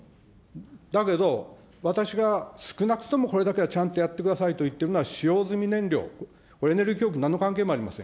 だけど、私が少なくともこれだけはちゃんとやってくださいと言ってるのは、使用済み燃料、これ、エネルギー供給になんの関係もありません。